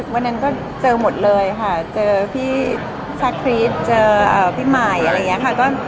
วันนั้นก็เจอหมดเลยค่ะเจอพี่ชาคริสเจอพี่ใหม่อะไรอย่างนี้ค่ะ